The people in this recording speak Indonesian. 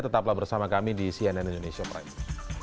tetaplah bersama kami di cnn indonesia prime